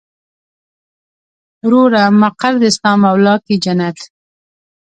وروره مقر دې ستا مولا کې جنت.